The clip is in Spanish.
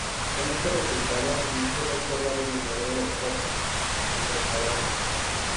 Con este resultado inició la historia de Nereo Rocco, entrenador.